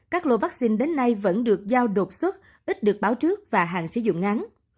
các lô vaccine đến nay vẫn được giao đột xuất ít được báo trước và hàng sử dụng ngắn